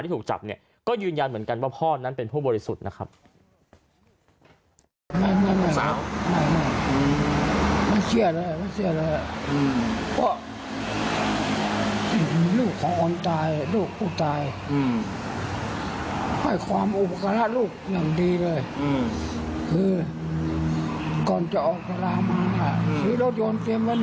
ถูกจับเนี่ยก็ยืนยันเหมือนกันว่าพ่อนั้นเป็นผู้บริสุทธิ์นะครับ